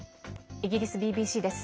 イギリスＢＢＣです。